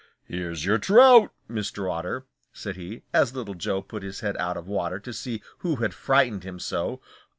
"Here's your trout, Mr. Otter," said he, as Little Joe put his head out of water to see who had frightened him so.